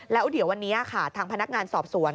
แล้วเดี๋ยววันนี้ค่ะทางพนักงานสอบสวน